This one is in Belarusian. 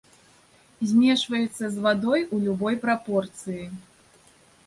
Змешваецца з вадой у любой прапорцыі.